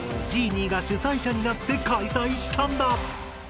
ＧＥＮＩＥが主催者になって開催したんだ。